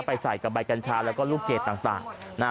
ใส่กับใบกัญชาแล้วก็ลูกเกดต่างนะฮะ